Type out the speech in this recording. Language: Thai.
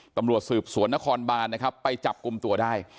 ตำรวจสืบสวนนครบานนะครับไปจับกลุ่มตัวได้